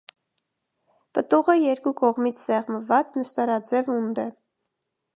Պտուղը երկու կողմից սեղմված, նշտարաձև ունդ է։